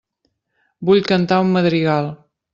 Vull cantar un madrigal.